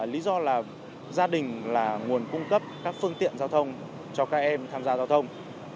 lý do là gia đình là nguồn cung cấp các phương tiện giao thông cho các em tham gia giao thông